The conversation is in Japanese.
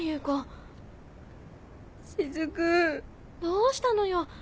どうしたのよ？